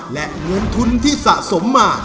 และเงินทุนที่สะสมมา